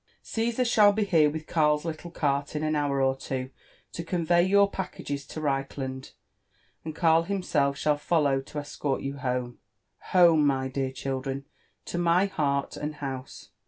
Caesar shall be here with Karl's little cart in an hour or two, to convey your packages to Reichland ; and Karl himself shall follow to escort you home — home, my dear children, to my heart and house.